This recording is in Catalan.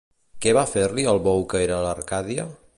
Què va fer-li al bou que era a l'Arcàdia?